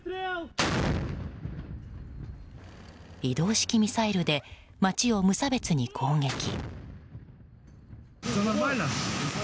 移動式ミサイルで街を無差別に攻撃。